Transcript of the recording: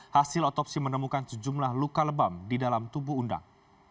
hasil otopsi menemukan sejumlah luka lebam di dalam tubuh undang